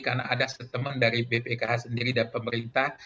karena ada setemen dari bpkh sendiri dan pemerintah